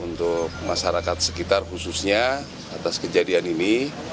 untuk masyarakat sekitar khususnya atas kejadian ini